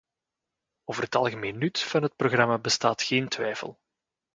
Over het algemene nut van het programma bestaat geen twijfel.